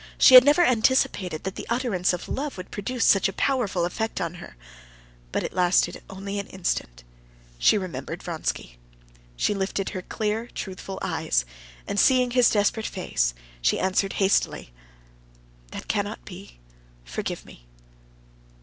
She had never anticipated that the utterance of love would produce such a powerful effect on her. But it lasted only an instant. She remembered Vronsky. She lifted her clear, truthful eyes, and seeing his desperate face, she answered hastily: "That cannot be ... forgive me."